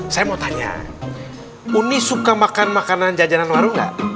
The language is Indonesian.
saya mau tanya uni suka makan makanan jajanan warung gak